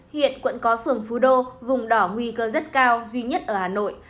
hiện quận có phường phú đô vùng đỏ nguy cơ rất cao duy nhất ở hà nội